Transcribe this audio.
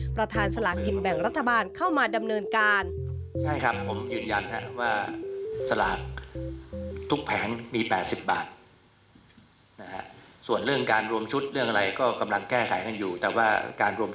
สลากินแบ่งรัฐบาลเข้ามาดำเนินการ